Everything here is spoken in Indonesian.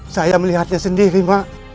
saya melihatnya sendiri mbak